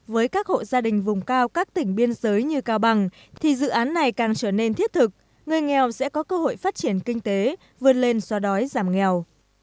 với các hộ gia đình vùng cao các tỉnh biên giới như cao bằng thì dự án này càng trở nên thiết thực người nghèo sẽ có cơ hội phát triển kinh tế vươn lên xóa đói giảm nghèo